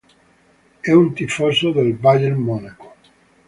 É un tifoso del Bayern Monaco.